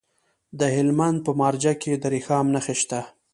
د هلمند په مارجه کې د رخام نښې شته.